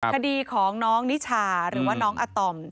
คดีของน้องนิชาหรือว่าน้องอาตอม